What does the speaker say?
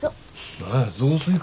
何や雑炊か。